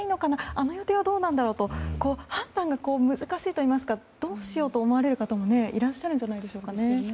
あの予定はどうなんだろう？と判断が難しいというかどうしようと思われる方もいらっしゃるんじゃないんでしょうかね。